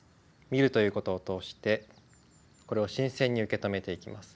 見るということを通してこれを新鮮に受け止めていきます。